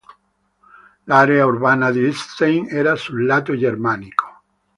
L'area urbana di Idstein era sul lato germanico.